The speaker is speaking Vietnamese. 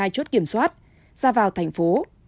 hai mươi hai chốt kiểm soát ra vào thành phố